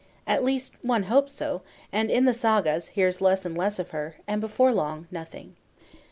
At least one hopes so; and, in the Sagas, hears less and less of her, and before long nothing.